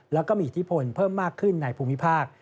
แล้วก็มีอิทธิพลเพิ่มมากขึ้นในภูมิภาค